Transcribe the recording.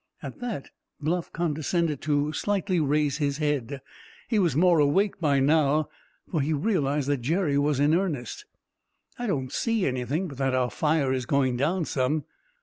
At that, Bluff condescended to slightly raise his head. He was more awake by now, for he realized that Jerry was in earnest. "I don't see anything but that our fire is going down some.